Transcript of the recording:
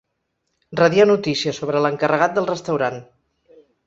Radiar notícies sobre l'encarregat del restaurant.